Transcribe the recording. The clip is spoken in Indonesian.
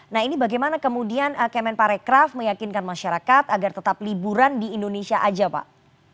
nah ini bagaimana kemudian kemen parekraf meyakinkan masyarakat agar tetap liburan di indonesia aja pak